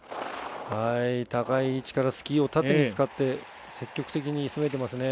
高い位置からスキーを縦に使って積極的に攻めています。